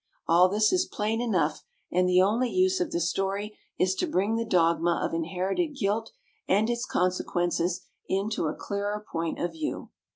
All this is plain enough, and the only use of the story is to bring the dogma of inherited guilt and its consequences into a clearer point of view.